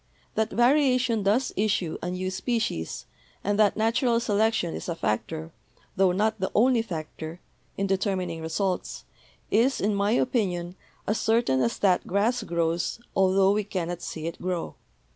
That variation does issue a new species, and that natural selection is a factor, tho not the only factor, in determining results, is, in my opinion, as certain as that grass grows altho we cannot see it grow.